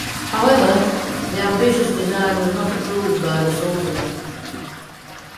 However, the ambitious design was not approved by the Sultan.